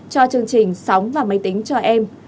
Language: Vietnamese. cho chương trình sống và máy tính cho em